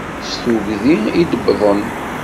S tuggdi id-wwḍen.